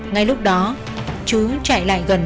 ngay lúc đó chứ chạy lại gần